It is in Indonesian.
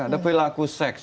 ada perilaku seks